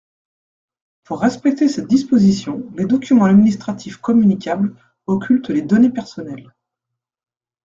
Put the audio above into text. Pour respecter cette disposition, les documents administratifs communicables occultent les données personnelles.